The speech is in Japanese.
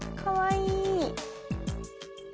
かわいい。